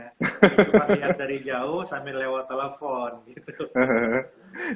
cuma lihat dari jauh sambil lewat telepon gitu